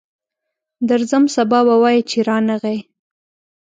درځم، سبا به وایې چې رانغی.